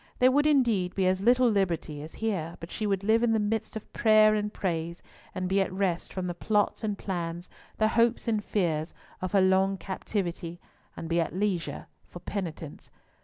There would indeed be as little liberty as here, but she would live in the midst of prayer and praise, and be at rest from the plots and plans, the hopes and fears, of her long captivity, and be at leisure for penitence.